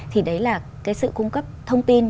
thì đấy là cái sự cung cấp thông tin